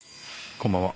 こんばんは。